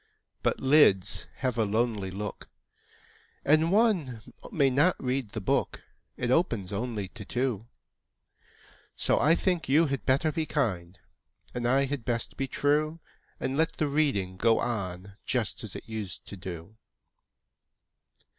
But lids have a lonely look, And one may not read the book It opens only to two; So I think you had better be kind, And I had best be true, And let the reading go on, Just as it used to do.